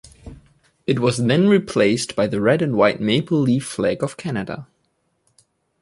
It was then replaced by the red and white maple leaf Flag of Canada.